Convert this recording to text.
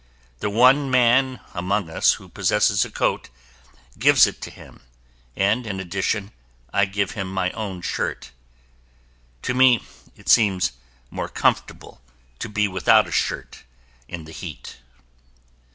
The one man among us who possesses a coat gives it to him and, in addition, I give him my own shirt. To me, it seems more comfortable to be without a shirt in the heat.